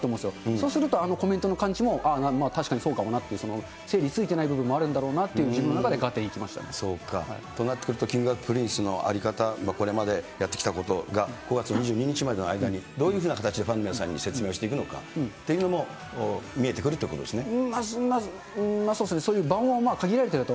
そうすると、あのコメントの感じも確かにそうかもなって、整理ついていない部分もあるのかなというふうに、自分の中で合点そうか。となってくると、Ｋｉｎｇ＆Ｐｒｉｎｃｅの在り方、これまでやってきたことが５月２２日までの間に、どういうふうな形でファンの皆さんに説明していくのかっていうのも、見えてくるっていうことですね。